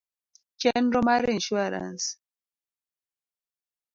Chenro mar insuarans